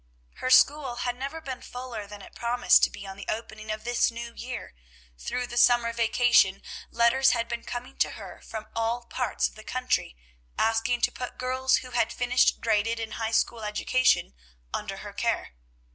Her school had never been fuller than it promised to be on the opening of this new year. Through the summer vacation letters had been coming to her from all parts of the country asking to put girls who had finished graded and high school education under her care.